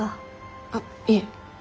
あっいえ。